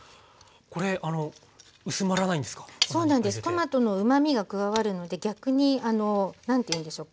トマトのうまみが加わるので逆に何て言うんでしょう。